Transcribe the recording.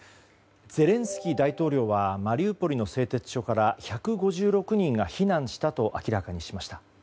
ゼレンスキー大統領はマリウポリの製鉄所から１５６人が避難したと明らかにしました。